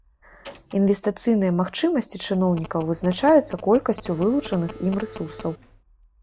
Інвестыцыйныя магчымасці чыноўнікаў вызначаюцца колькасцю вылучаных ім рэсурсаў.